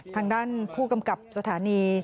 ทางด้านผู้กำกับสถานี